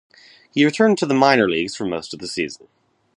He returned to the minor leagues for most of the season.